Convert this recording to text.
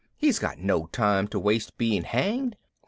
He's got no time to waste being hanged.